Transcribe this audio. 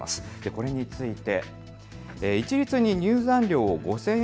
これについて。